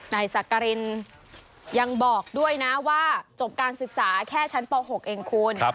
นายสักกรินยังบอกด้วยนะว่าจบการศึกษาแค่ชั้นป๖เองคุณ